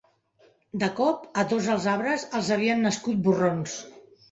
De cop, a tots els arbres, els havien nascut borrons.